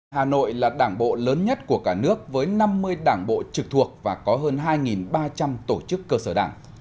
hà nội là đảng bộ lớn nhất của cả nước với năm mươi đảng bộ trực thuộc và có hơn hai ba trăm linh tổ chức cơ sở đảng